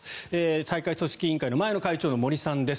大会組織委員会の前の会長の森さんです。